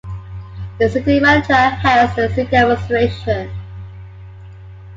The city manager heads the city administration.